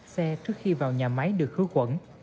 xe trước khi vào nhà máy được hứa quẩn